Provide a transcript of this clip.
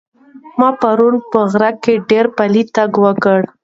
ما پرون په غره کې ډېر پلی تګ وکړ.